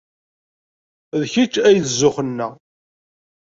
D kečč ay d zzux-nneɣ.